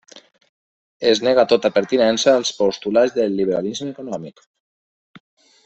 Es nega tota pertinença als postulats del liberalisme econòmic.